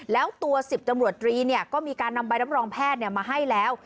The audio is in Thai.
แล้วตัว๑๐ตำรวจตรีเนี่ยก็มีการนำใบรับรองแพทย์มาให้แล้ว